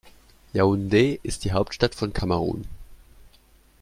Yaoundé ist die Hauptstadt von Kamerun.